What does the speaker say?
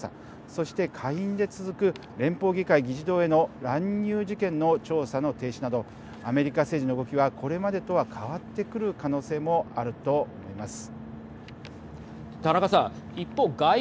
そして下院で続く連邦議会議事堂への乱入事件の調査の停止などアメリカ政治の動きはこれまでとは変わってくる可能性もあると思います。